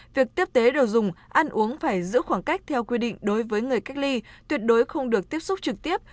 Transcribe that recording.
việc tiếp tế đồ dùng ăn uống phải giữ khoảng cách theo quy định đối với người cách ly tuyệt đối không được tiếp xúc trực tiếp